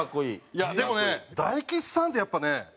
いやでもね大吉さんってやっぱね。